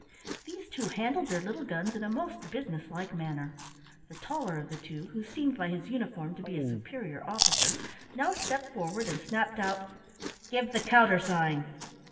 These two handled their little guns in a most businesslike manner. The taller of the two, who seemed by his uniform to be a superior officer, now stepped forward and snapped out: "Give the countersign!"